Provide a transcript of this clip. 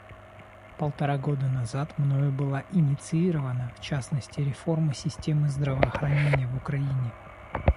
Полтора года назад мною была инициирована, в частности, реформа системы здравоохранения в Украине.